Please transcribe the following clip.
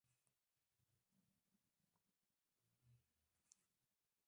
bi ingabire elize na diudune hakizimana